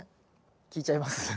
聞いちゃいます？